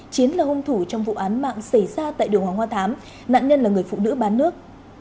chiến là hung thủ trong vụ án mạng xảy ra tại đường hoàng hoa thám nạn nhân là người phụ nữ bán nước